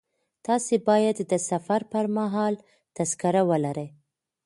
تاسي باید د سفر پر مهال تذکره ولرئ.